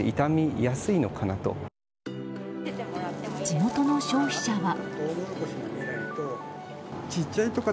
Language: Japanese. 地元の消費者は。